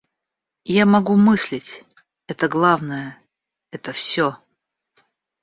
Я могу мыслить — это главное, это все.